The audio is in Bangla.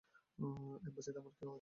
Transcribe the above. অ্যাম্বাসিতে আমাদের কেউ আছে?